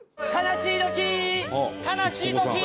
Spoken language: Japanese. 悲しいときー！